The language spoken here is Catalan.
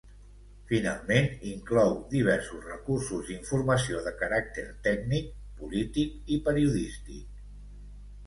Finalment, inclou diversos recursos d'informació de caràcter tècnic, polític i periodístic.